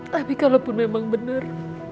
tapi kalau pun memang benar